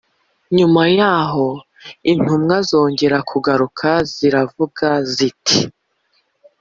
Nyuma yaho intumwa zongera kugaruka ziravuga ziti